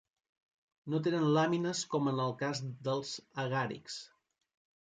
No tenen làmines com en el cas dels agàrics.